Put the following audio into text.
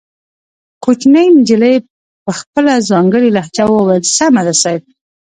کوچنۍ نجلۍ په خپله ځانګړې لهجه وويل سمه ده صيب.